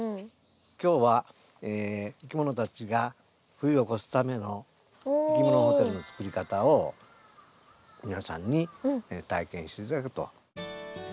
今日はいきものたちが冬を越すためのいきものホテルの作り方を皆さんに体験して頂くと。